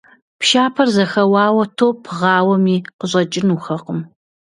Пшапэр зэхэуауэ, топ бгъауэми, къыщӀэкӀынухэкъым.